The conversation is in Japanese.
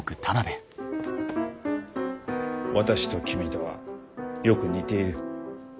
私と君とはよく似ている。